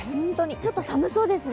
ちょっと寒そうですね。